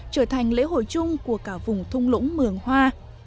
trở thành lễ hội chung của cả vùng thung lũng mường hoa